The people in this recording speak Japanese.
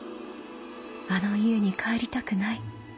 「あの家に帰りたくない」。